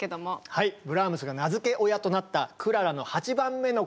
はいブラームスが名づけ親となったクララの８番目のこども